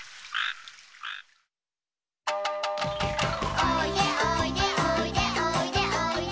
「おいでおいでおいでおいでおいで」